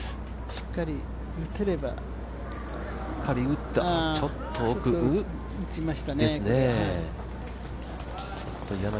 しっかり打てればああ、ちょっと打ちましたね。